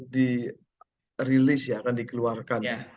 di release ya akan dikeluarkan